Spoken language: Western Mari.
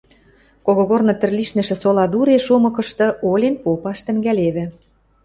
Когогорны тӹр лишнӹшӹ сола туре шомыкышты, олен попаш тӹнгӓлевӹ.